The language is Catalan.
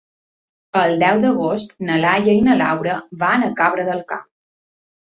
El deu d'agost na Laia i na Laura van a Cabra del Camp.